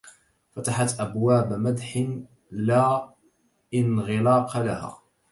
فتحت أبواب مدح لا انغلاق لها